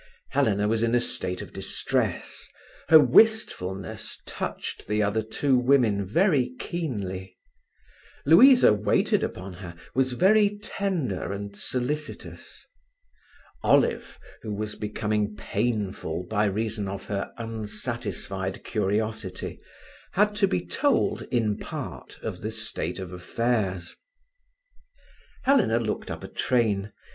Helena was in a state of distress. Her wistfulness touched the other two women very keenly. Louisa waited upon her, was very tender and solicitous. Olive, who was becoming painful by reason of her unsatisfied curiosity, had to be told in part of the state of affairs. Helena looked up a train.